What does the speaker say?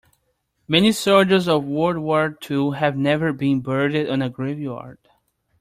Many soldiers of world war two have never been buried on a grave yard.